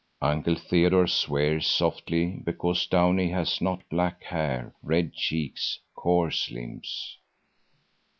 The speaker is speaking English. Uncle Theodore swears softly because Downie has not black hair, red cheeks, coarse limbs.